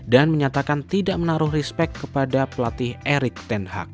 dan menyatakan tidak menaruh respek kepada pelatih eric ten hag